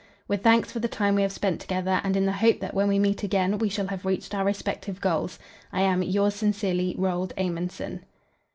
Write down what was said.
"With thanks for the time we have spent together, and in the hope that when we meet again we shall have reached our respective goals, "I am, "Yours sincerely, "Roald Amundsen."